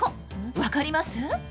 分かります？